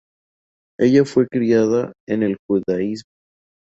Ella fue criada en el judaísmo.